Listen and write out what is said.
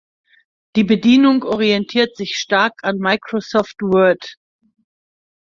Die Bedienung orientiert sich stark an Microsoft Word.